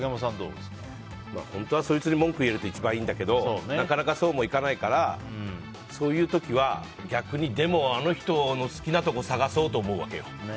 本当はそいつに文句言えると一番いいんだけどなかなかそうもいかないからそういう時は逆にあの人の好きなところを探そうと思うわけよ。